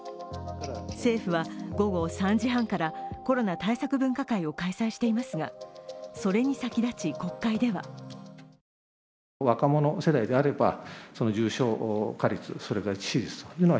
政府は午後３時半からコロナ対策分科会を開催していますがそれに先立ち国会ではピークが見通せない第６波。